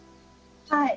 はい。